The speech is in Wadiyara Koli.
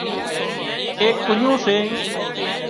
ايڪ ڪُڙيون سي